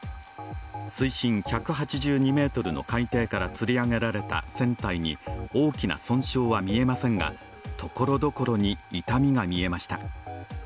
水深１８２ｍの海底からつり上げられた船体に大きな損傷は見えませんがところどころに傷みが見えました。